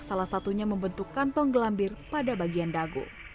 salah satunya membentuk kantong gelambir pada bagian dagu